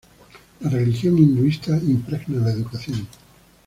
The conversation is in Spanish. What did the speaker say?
La religión hinduista impregna la educación.